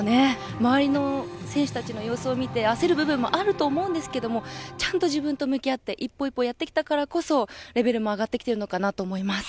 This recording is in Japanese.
周りの選手たちの様子を見て焦る部分もあると思うんですけどちゃんと自分と向き合って一歩一歩やってきたからこそレベルも上がってきてるのかなと思います。